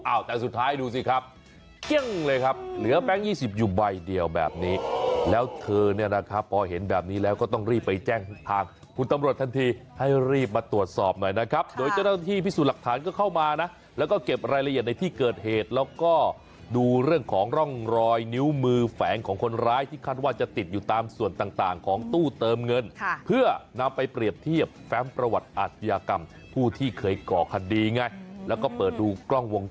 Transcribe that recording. อ้าวแต่สุดท้ายดูสิครับเกี้ยงเลยครับเหลือแปลง๒๐อยู่ใบเดียวแบบนี้แล้วเธอเนี่ยนะคะพอเห็นแบบนี้แล้วก็ต้องรีบไปแจ้งทางคุณตำรวจทันทีให้รีบมาตรวจสอบหน่อยนะครับโดยเจ้าท่านที่พิสูจน์หลักฐานก็เข้ามานะแล้วก็เก็บรายละเอียดในที่เกิดเหตุแล้วก็ดูเรื่องของร่องรอยนิ้วมือแฝงของคนร้ายที่คาดว